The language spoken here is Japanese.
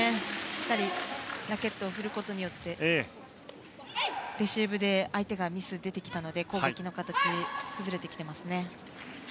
しっかりラケットを振ることでレシーブで相手にミスが出てきたので攻撃の形が崩れてきていますね。